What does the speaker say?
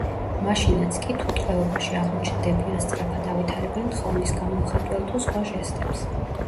მაშინაც კი თუ ტყვეობაში აღმოჩნდებიან სწრაფად ავითარებენ თხოვნის გამომხატველ თუ სხვა ჟესტებს.